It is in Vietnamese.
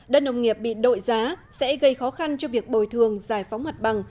đất nông nghiệp bị đội giá sẽ gây khó khăn cho việc bồi thường giải phóng mặt bằng